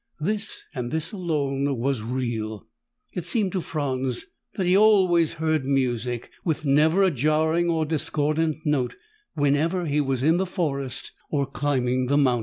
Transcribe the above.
This, and this alone, was real. It seemed to Franz that he always heard music, with never a jarring or discordant note, whenever he was in the forest or climbing the mountains.